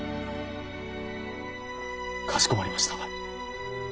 かしこまりました。